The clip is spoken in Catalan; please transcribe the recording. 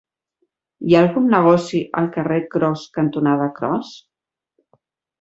Hi ha algun negoci al carrer Cros cantonada Cros?